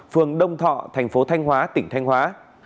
phường đông thọ thành phố thanh hóa tỉnh thanh hóa